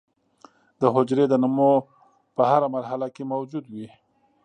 د حجرې د نمو په هره مرحله کې موجود وي.